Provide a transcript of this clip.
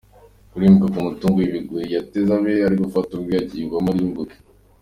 Kurimbuka kumutungure, Ikigoyi yateze abe ari we gifata ubwe, Akigwemo arimbuke.